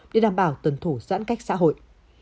để đảm bảo tuần thủ giãn cách xã hội